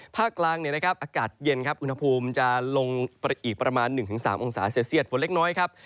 ภาคกลางอากาศเย็นครับอุณหภูมิจะลงไปอีกประมาณ๑๓องศาเซลเซียตฝนเล็กน้อยครับ